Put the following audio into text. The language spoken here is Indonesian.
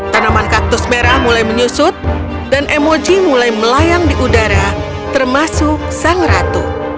tanaman kaktus merah mulai menyusut dan emoji mulai melayang di udara termasuk sang ratu